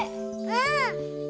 うん！